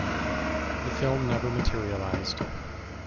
The film never materialized.